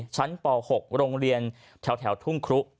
ป๖โรงเรียนแถวทุ่งครุ